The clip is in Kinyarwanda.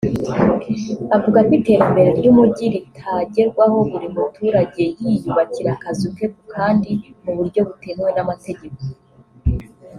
Avuga ko iterambere ry’umujyi ritagerwaho buri muturage yiyubakira akazu ke ku kandi mu buryo butemewe n’amategeko